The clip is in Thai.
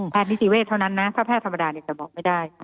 นิติเวทเท่านั้นนะถ้าแพทย์ธรรมดาจะบอกไม่ได้